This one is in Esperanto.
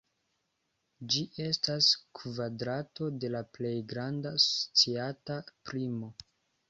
Ĝi estas kvadrato de la plej granda sciata primo.